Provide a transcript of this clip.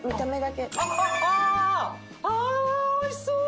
あおいしそう！